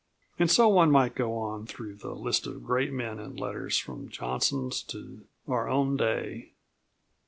And so one might go on through the list of great men of letters from Johnson's to our own day.